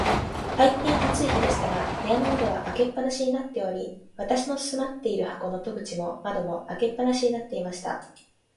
大へん暑い日でしたが、部屋の窓は開け放しになっており、私の住まっている箱の戸口も窓も、開け放しになっていました。